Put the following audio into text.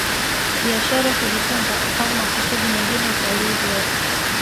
biashara kujifunza au makusudi mengine Utalii huweza